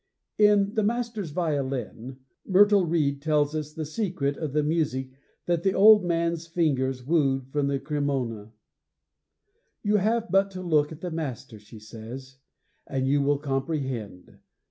In The Master's Violin, Myrtle Reed tells us the secret of the music that the old man's fingers wooed from the Cremona. You have but to look at the master, she says, and you will comprehend.